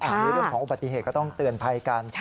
อันนี้เรื่องของอุบัติเหตุก็ต้องเตือนภัยกัน